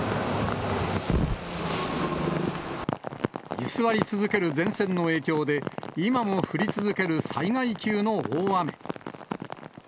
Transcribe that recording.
居座り続ける前線の影響で、今も降り続ける災害級の大雨。